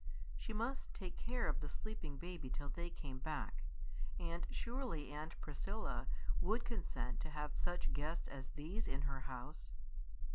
She must take care of the sleeping baby till they came back; and surely Aunt Priscilla would consent to have such guests as these in her house.